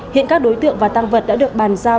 hiện các đối tượng và tăng vật đã được bàn giao